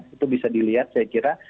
itu bisa dilihat saya kira